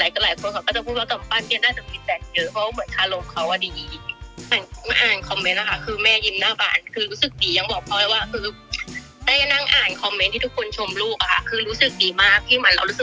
ของใครของแม่มีให้ใครมีให้หนู